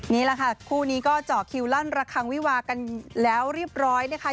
นี่แหละค่ะคู่นี้ก็เจาะคิวลั่นระคังวิวากันแล้วเรียบร้อยนะคะ